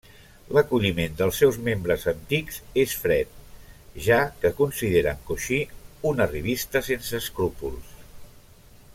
L'acolliment dels seus membres antics és fred, ja que consideren Cauchy un arribista sense escrúpols.